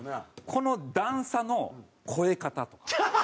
この段差の越え方とか。